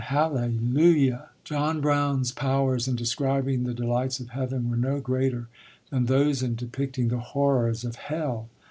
Hallelujah!" John Brown's powers in describing the delights of heaven were no greater than those in depicting the horrors of hell.